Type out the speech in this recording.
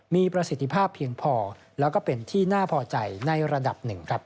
มีประสิทธิภาพเพียงพอและเป็นที่น่าพอใจในระดับ๑